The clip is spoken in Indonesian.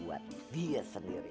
buat dia sendiri